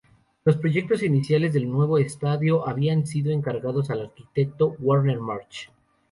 Los proyectos iniciales del nuevo estadio habían sido encargados al arquitecto Werner March.